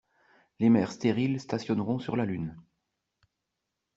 Les maires stériles stationneront sur la Lune.